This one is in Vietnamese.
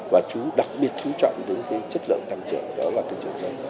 và đặc biệt chú trọng đến cái chất lượng tăng trưởng đó là cái chiều sâu